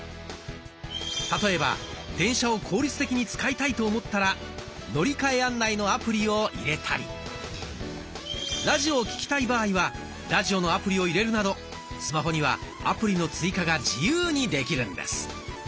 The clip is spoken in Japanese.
例えば電車を効率的に使いたいと思ったら乗換案内のアプリを入れたりラジオを聞きたい場合はラジオのアプリを入れるなどスマホにはアプリの追加が自由にできるんです。